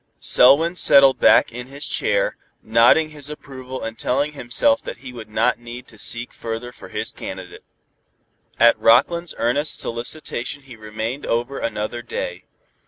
Selwyn settled back in his chair, nodding his approval and telling himself that he would not need to seek further for his candidate. At Rockland's earnest solicitation he remained over another day.